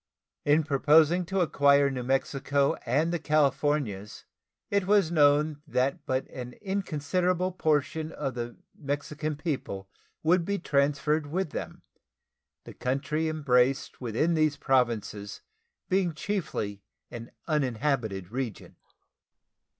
In proposing to acquire New Mexico and the Californias, it was known that but an inconsiderable portion of the Mexican people would be transferred with them, the country embraced within these Provinces being chiefly an uninhabited region.